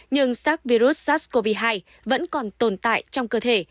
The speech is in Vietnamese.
nhưng sars cov hai vẫn còn tồn tại trong cơ thể